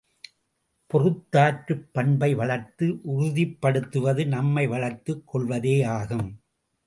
பொறுத்தாற்றும் பண்பை வளர்த்து உறுதிப்படுத்துவது நம்மை வளர்த்துக் கொள்வதேயாகும்.